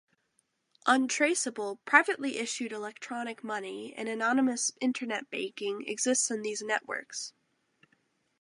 Untraceable, privately issued electronic money and anonymous Internet banking exists in these networks.